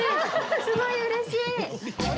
すごいうれしい！